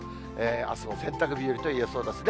あすも洗濯日和といえそうですね。